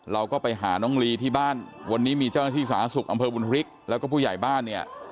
เราก็ไปหาน้องลีที่บ้านวันนี้มีเจ้าหน้าที่สาธารณสุขอำเภอบุญฮริกแล้วก็ผู้ใหญ่บ้านเนี่ย